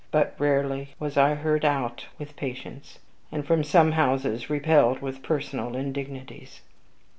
But rarely was I heard out with patience; and from some houses repelled with personal indignities.